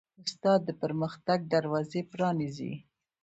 استاد د پرمختګ دروازې پرانیزي.